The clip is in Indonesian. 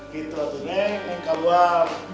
kita tuh neng neng kaluar